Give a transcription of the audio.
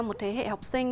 một thế hệ học sinh